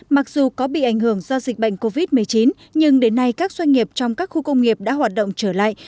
mặc dù có bị ảnh hưởng do dịch bệnh covid một mươi chín nhưng đến nay các doanh nghiệp trong các khu công nghiệp đã hoạt động trở lại